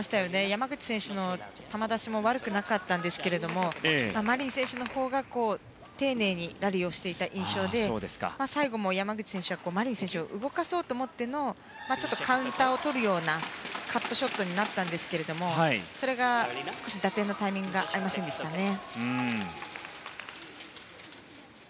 山口選手の球出しも悪くなかったんですがマリン選手の方が丁寧にラリーをしていた印象で、最後も山口選手はマリン選手を動かそうと思ってちょっとカウンターをとるようなカットショットになったんですがそれが少し打点のタイミングが合いませんでしたね。